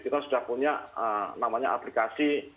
kita sudah punya namanya aplikasi